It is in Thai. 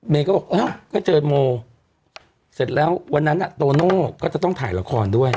เมย์ก็บอกเอาเค้าเจอโมร์เสร็จแล้ววันนั้นตัวโนก็จะต้องถ่ายละครด้วย